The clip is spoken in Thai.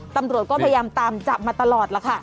ตำรวจก็พยายามตามจับมาตลอดล่ะค่ะ